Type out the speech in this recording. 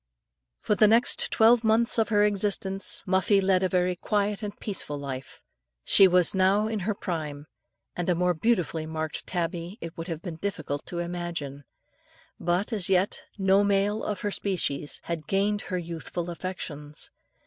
For the next twelve months of her existence, Muffie led a very quiet and peaceful life. She was now in her prime and a more beautifully marked tabby it would have been difficult to imagine but, as yet, no male of her species had gained her youthful affections.